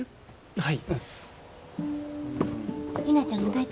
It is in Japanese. はい。